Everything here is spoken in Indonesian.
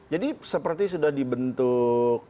jadi seperti sudah dibentuk